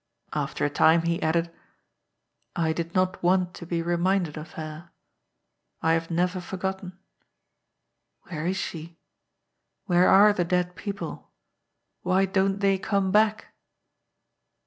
After a time he added :" I did not want to be reminded 330 GOD'S POOL. of her. I have never forgotten. Where is she? Where are the dead people ? Why don't they come back